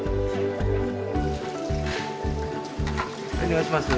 はいお願いします。